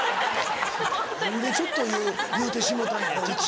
「何で『ちょっと』言うてしもうたんやろうち」